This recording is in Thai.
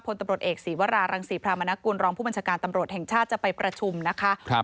ตำรวจเอกศีวรารังศรีพรามนกุลรองผู้บัญชาการตำรวจแห่งชาติจะไปประชุมนะคะ